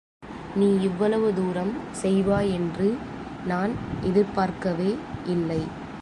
நீ இவ்வளவு தூரம் செய்வாயென்று நான் எதிர்பார்க்கவே இல்லை.